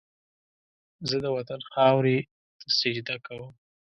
زه د وطن خاورې ته سجده کوم